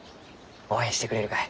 応援してくれるかえ？